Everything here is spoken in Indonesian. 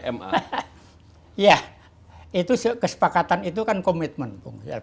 hahaha itu kesepakatan itu kesepakatan